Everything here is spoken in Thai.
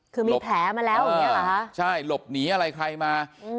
คือมีแผลมาแล้วอย่างเงี้เหรอฮะใช่หลบหนีอะไรใครมาอืม